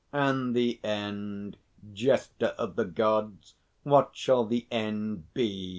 "And the end, Jester of the Gods? What shall the end be?"